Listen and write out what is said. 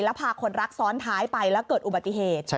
แล้วพาคนรักซ้อนท้ายไปแล้วเกิดอุบัติเหตุ